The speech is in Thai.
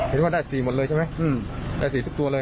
เห็นว่าได้๔หมดเลยใช่ไหมได้๔ทุกตัวเลย